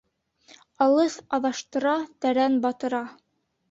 Алыҫ аҙаштыра, тәрән батыра.